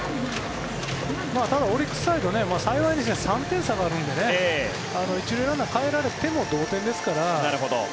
オリックスサイド幸いにして３点、差があるので１塁ランナーかえられても同点ですから。